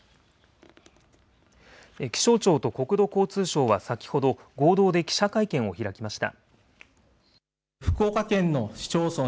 気象庁と国土交通省は先ほど合同で記者会見を開きました。